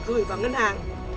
gửi vào ngân hàng